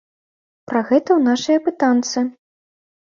Пра гэта ў нашай апытанцы.